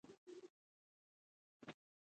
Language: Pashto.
چې په مدرسه كښې پاته سم سبقان مې شروع كم.